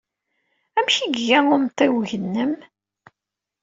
Amek ay iga umtiweg-nnem?